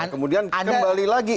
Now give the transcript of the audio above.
kemudian kembali lagi